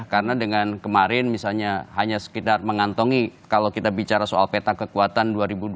karena dengan kemarin misalnya hanya sekitar mengantongi kalau kita bicara soal peta kekuatan dua ribu dua puluh empat dua ribu dua puluh sembilan